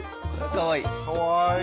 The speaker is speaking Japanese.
かわいい。